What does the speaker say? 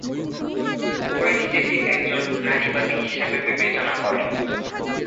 ওরা নিজেকে একজন নারীবাদী হিসেবে বিবেচনা করেন।